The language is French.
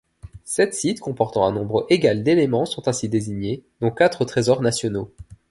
Sept sites comportant un nombre égal d'éléments sont ainsi désignés, dont quatre trésors nationaux.